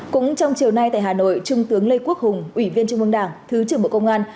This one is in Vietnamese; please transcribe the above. cũng trong chiều nay tại hà nội trung tướng lê quốc hùng ủy viên trung mương đảng thứ trưởng bộ công an